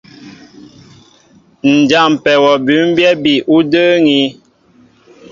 Ǹ jâmpɛ wɔ bʉ́mbyɛ́ bi ú də́ə́ŋí.